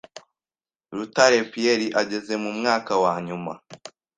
Rutare Pierre ageze mu mwaka wa nyuma